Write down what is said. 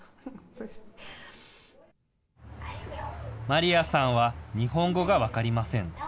マリアさんは、日本語が分かりません。